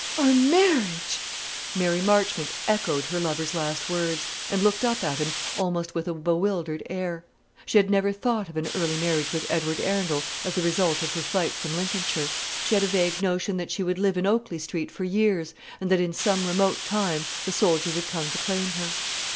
"Our marriage!" Mary Marchmont echoed her lover's last words, and looked up at him almost with a bewildered air. She had never thought of an early marriage with Edward Arundel as the result of her flight from Lincolnshire. She had a vague notion that she would live in Oakley Street for years, and that in some remote time the soldier would come to claim her.